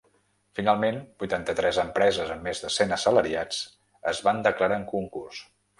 Finalment, vuitanta-tres empreses amb més de cent assalariats es van declarar en concurs.